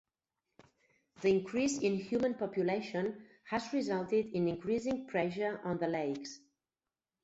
The increase in human population has resulted in increasing pressure on the lakes.